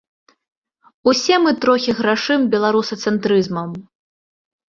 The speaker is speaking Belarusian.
Усе мы трохі грашым беларусацэнтрызмам.